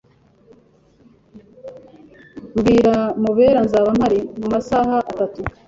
Bwira Mubera nzaba mpari mumasaha atatu.